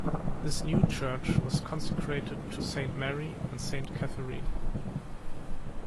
This new church was consecrated to Saint Mary and Saint Catharine.